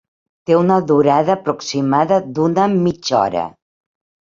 Té una durada aproximada d'una mitja hora.